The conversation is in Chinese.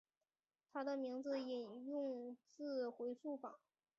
他的名字引用自回溯法。